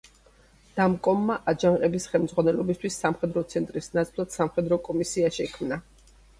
დამკომმა აჯანყების ხელმძღვანელობისთვის სამხედრო ცენტრის ნაცვლად სამხედრო კომისია შექმნა.